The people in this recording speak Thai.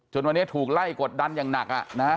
วันนี้ถูกไล่กดดันอย่างหนัก